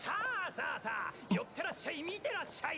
さァよってらっしゃい見てらっしゃい！